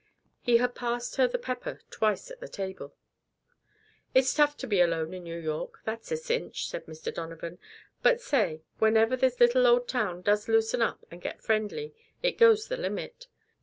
He had passed her the pepper twice at the table. "It's tough to be alone in New York that's a cinch," said Mr. Donovan. "But, say whenever this little old town does loosen up and get friendly it goes the limit.